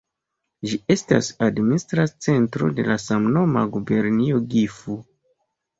Ĝi estas administra centro de la samnoma gubernio Gifu.